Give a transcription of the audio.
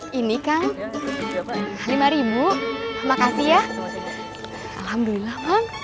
hai ini kan lima ribu makasih ya alhamdulillah